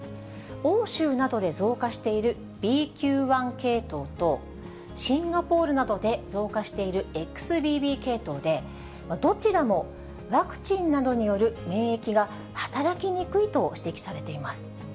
欧州などで増加しているＢＱ．１系統と、シンガポールなどで増加しているＸＢＢ系統で、どちらもワクチンなどによる免疫が働きにくいと指摘されています。